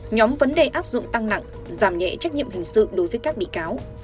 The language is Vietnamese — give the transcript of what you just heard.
nhóm vấn đề áp dụng tăng nặng giảm nhẹ trách nhiệm hình sự đối với các bị cáo